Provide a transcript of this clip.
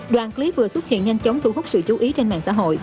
đoạn clip vừa xuất hiện nhanh chóng thu hút sự chú ý trên mạng xã hội